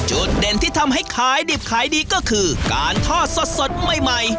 จุดเด่นที่ทำให้ขายดิบขายดีก็คือการทอดสดใหม่